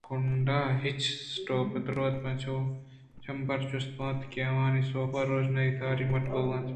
دومی کنڈ ءَ آچ ءِ اسٹوپ ءِ دُوت چو جمبر ءَ چست بوہان اِت اَنت کہ آوانی سوب ءَ روژنائی تہاری ءَ مٹ بوئگءَ ات